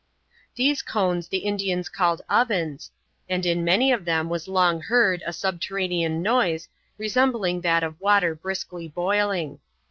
These cones the Indians called ovens, and in many of them was long heard a subterranean noise resembling that of water briskly boiling.